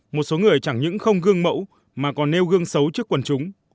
một số người chẳng những không gương mẫu mà còn nêu gương xấu trước quần chúng